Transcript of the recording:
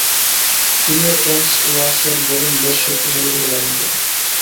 তিনি ও টমাস ওয়াসের বোলিং বেশ শক্তিশালীরূপ ধারণ করে।